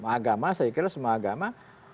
agama saya kira semua agama